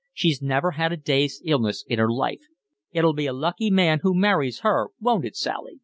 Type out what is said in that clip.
She's never had a day's illness in her life. It'll be a lucky man who marries her, won't it, Sally?"